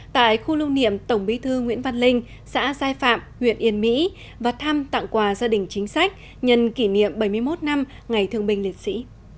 tại khu lưu niệm tổng bí thư nguyễn văn linh xã sai phạm huyện yên mỹ và thăm tặng quà gia đình chính sách nhân kỷ niệm bảy mươi một năm ngày thương binh liệt sĩ